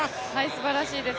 すばらしいです。